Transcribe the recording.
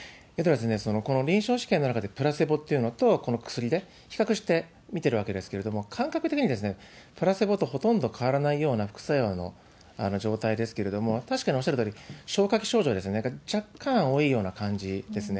この臨床試験の中でプラセボっていうのと、この薬で比較して見てるわけですけれども、感覚的に、プラセボとほとんど変わらないような副作用の状態ですけれども、確かにおっしゃるとおり、消化器症状ですね、若干多いような感じですね。